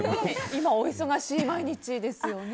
今、お忙しい毎日ですよね。